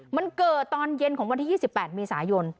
มันเกิดตอนเย็นของวันที่๒๘เมษายน